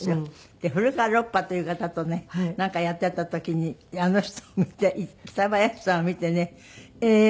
で古川ロッパという方とねなんかやっていた時にあの人を見て北林さんを見てねええー。